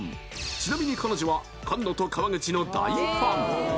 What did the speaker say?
ちなみに彼女は菅野と川口の大ファン